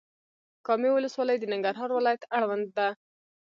کامې ولسوالۍ د ننګرهار ولايت اړوند ده.